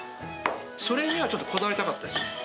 それにはちょっとこだわりたかったですね。